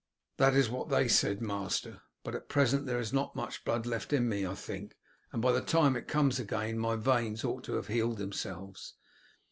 "That is what they said, master; but at present there is not much blood left in me, I think, and by the time it comes again my veins ought to have healed themselves.